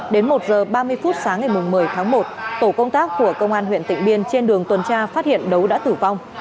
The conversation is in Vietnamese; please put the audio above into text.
đến một h ba mươi phút sáng ngày một mươi tháng một tổ công tác của công an huyện tịnh biên trên đường tuần tra phát hiện đấu đã tử vong